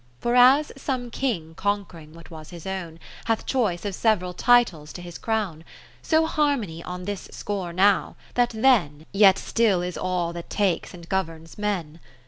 For as some King conqu'ring what was his own, Hath choice of several Titles to his Crown ; So harmony on this score now, that then. Yet still is all that takes and governs Men.